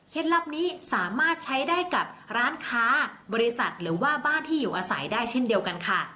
ลับนี้สามารถใช้ได้กับร้านค้าบริษัทหรือว่าบ้านที่อยู่อาศัยได้เช่นเดียวกันค่ะ